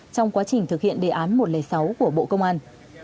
trong quá trình thực hiện đề án một trăm linh sáu của bộ công an